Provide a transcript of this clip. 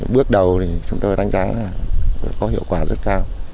bước đầu thì chúng tôi đánh giá là có hiệu quả rất cao